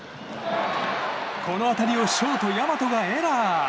この当たりをショート、大和がエラー。